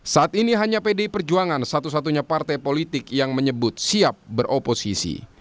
saat ini hanya pdi perjuangan satu satunya partai politik yang menyebut siap beroposisi